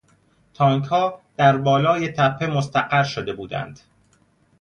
تانکها در بالای تپه مستقر شده بودند.